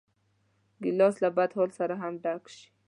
ګیلاس له بدحال سره هم ډک شي.